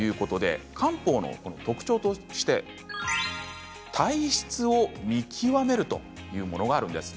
漢方の特徴として体質を見極めるというものがあります。